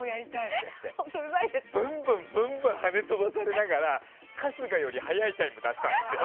って言ってブンブン跳ね飛ばされながら春日より速いタイム出したんですよ。